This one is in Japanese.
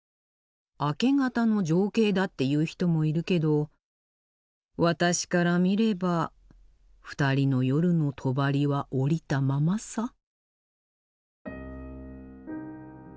明け方の情景だって言う人もいるけど私から見れば２人の夜のとばりは下りたままさ。